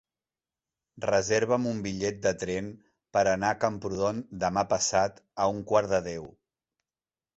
Reserva'm un bitllet de tren per anar a Camprodon demà passat a un quart de deu.